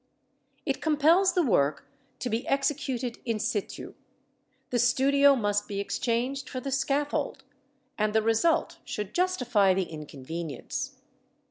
It compels the work to be executed in situ. The studio must be exchanged for the scaffold, and the result should justify the inconvenience.